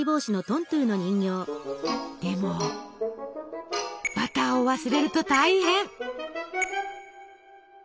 でもバターを忘れると大変！